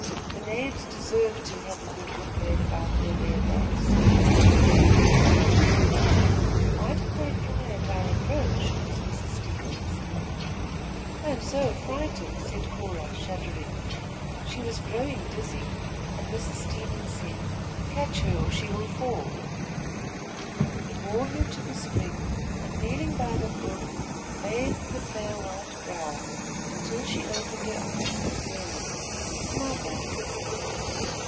"The knaves deserve to have a good whip laid about their bare backs." "Truly, they do. Why did they fly at our approach?" asked Mrs. Stevens. "Perhaps the foolish creatures thought their spell was broken," Charles answered. "I am so affrighted," said Cora, shuddering. She was growing dizzy, and Mrs. Stevens said: "Catch her, or she will fall." He bore her to the spring and, kneeling by the brook, bathed the fair white brow, until she opened her eyes and murmured: "Mother!"